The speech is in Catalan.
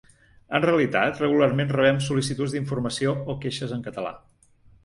En realitat, regularment rebem sol·licituds d’informació o queixes en català.